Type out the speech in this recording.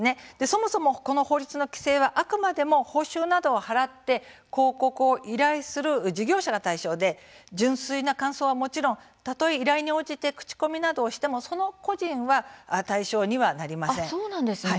そもそも、この法律の規制はあくまでも報酬などを払って広告を依頼する事業者が対象で純粋な感想はもちろん、たとえ依頼に応じて口コミなどをしてもそうなんですね。